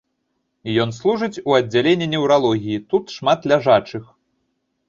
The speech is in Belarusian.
Ён служыць у аддзяленні неўралогіі, тут шмат ляжачых.